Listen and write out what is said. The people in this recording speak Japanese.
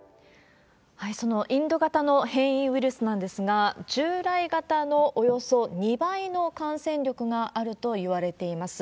そのインド型の変異ウイルスなんですが、従来型のおよそ２倍の感染力があるといわれています。